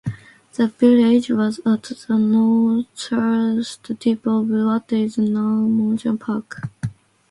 The village was at the northeast tip of what is now Madison Park.